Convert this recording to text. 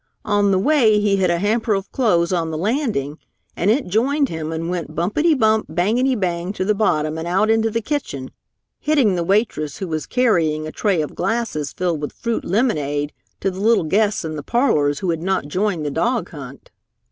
On the way he hit a hamper of clothes on the landing, and it joined him and went bumpety bump, bangety bang to the bottom and out into the kitchen, hitting the waitress who was carrying a tray of glasses filled with fruit lemonade to the little guests in the parlors who had not joined in the dog hunt.